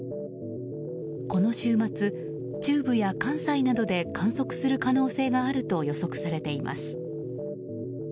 この週末、中部や関西などで観測する可能性があると予測されています。